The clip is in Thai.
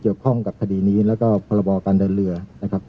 ข้อกับคดีนี้แล้วก็พรบการเดินเรือนะครับ